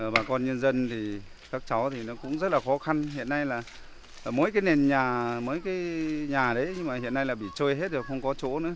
bà con nhân dân thì các cháu thì nó cũng rất là khó khăn hiện nay là mỗi cái nền nhà mấy cái nhà đấy nhưng mà hiện nay là bị trôi hết rồi không có chỗ nữa